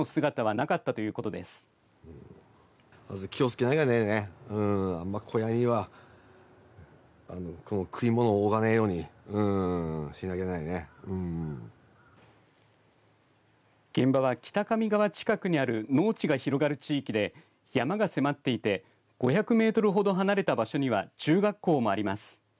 現場は、北上川近くにある農地が広がる地域で山が迫っていて５００メートル程離れた場所には中学校もあります。